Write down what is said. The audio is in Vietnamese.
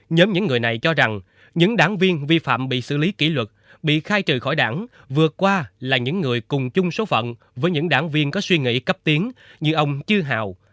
nhóm những người này cho rằng những đảng viên vi phạm bị xử lý kỷ luật bị khai trừ khỏi đảng vừa qua là những người cùng chung số phận với những đảng viên có suy nghĩ cấp tiếng như ông chưa hào